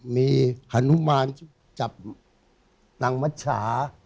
มีฮานุมานจับนางมัชชา